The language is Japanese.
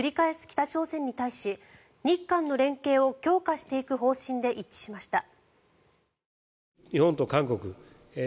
北朝鮮に対し日韓の連携を強化していく方針で一致しました。